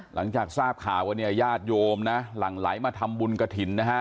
หลังจากทราบข่าวว่าเนี่ยญาติโยมนะหลั่งไหลมาทำบุญกระถิ่นนะฮะ